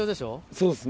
そうですね。